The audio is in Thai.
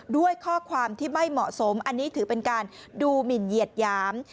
ด้วยข้อความที่ไม่เหมาะสมอันนี้ถือเป็นการดูหมินเหยียดหยาม